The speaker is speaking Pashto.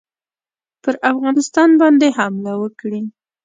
پر افغانستان باندي حمله وکړي.